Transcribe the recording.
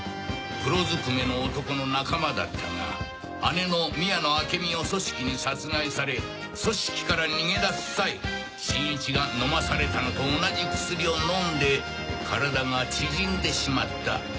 黒ずくめの男の仲間だったが姉の宮野明美を組織に殺害され組織から逃げ出す際新一が飲まされたのと同じ薬を飲んで体が縮んでしまった。